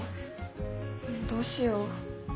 どうしよう。